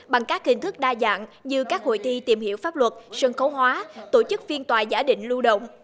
bằng các hình thức đa dạng như các hội thi tìm hiểu pháp luật sân khấu hóa tổ chức phiên tòa giả định lưu động